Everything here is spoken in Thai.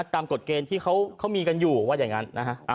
กฎเกณฑ์ที่เขามีกันอยู่ว่าอย่างนั้นนะฮะ